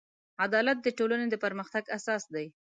عدالت د ټولنې د پرمختګ اساس دی.